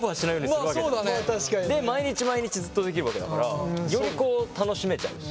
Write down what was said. で毎日毎日ずっとできるわけだからよりこう楽しめちゃうし。